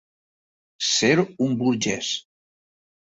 Ser un burgès.